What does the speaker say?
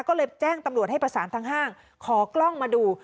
ก็เลยแจ้งตำรวจให้ประสานทางห้างขอกล้องมาดู